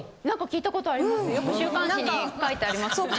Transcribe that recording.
なんか聞いたことあります。